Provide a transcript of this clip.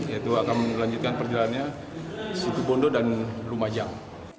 yaitu akan melanjutkan perjalanannya situbondo dan lumajang